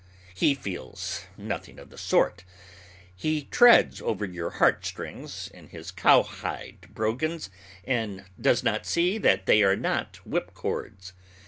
He feels nothing of the sort. He treads over your heart strings in his cowhide brogans, and does not see that they are not whip cords.